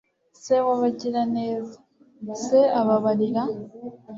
Se wabagiraneza Se ababarira